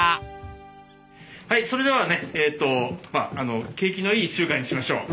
はいそれではね景気のいい１週間にしましょう。